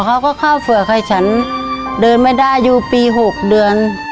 เขาก็เข้าเฝือกให้ฉันเดินไม่ได้อยู่ปี๖เดือน